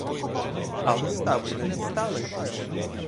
А листа ви не дістали?